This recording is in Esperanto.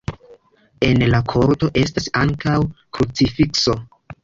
En la korto estas ankaŭ krucifikso.